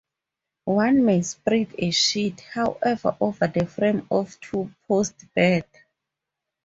One may spread a sheet, however, over the frame of a two-post bed.